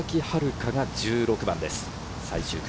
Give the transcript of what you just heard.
川崎春花が１６番です。